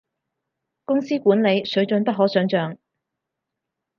公司管理，水準不可想像